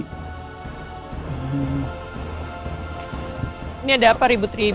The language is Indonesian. ini ada apa ribut ribut